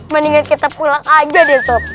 mendingan kita pulang aja deh sob